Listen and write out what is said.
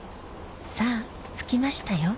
さぁ着きましたよ